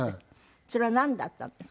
それはなんだったんですか？